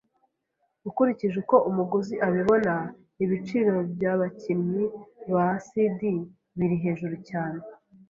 Ukurikije uko umuguzi abibona, ibiciro byabakinnyi ba CD biri hejuru cyane.